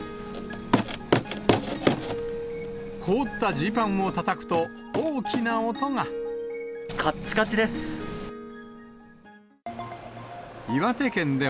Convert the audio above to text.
凍ったジーパンをたたくと、かっちかちです。